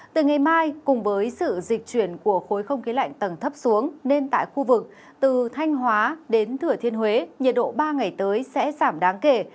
từ ngày mai cùng với sự dịch chuyển của khối không khí lạnh tầng thấp xuống nên tại khu vực từ thanh hóa đến thửa thiên huế nhiệt độ ba ngày tới sẽ giảm đáng kể